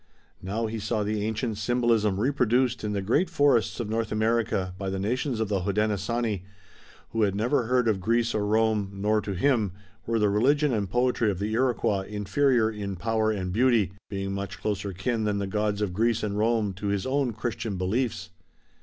Now he saw the ancient symbolism reproduced in the great forests of North America by the nations of the Hodenosaunee, who had never heard of Greece or Rome, nor, to him, were the religion and poetry of the Iroquois inferior in power and beauty, being much closer kin than the gods of Greece and Rome to his own Christian beliefs.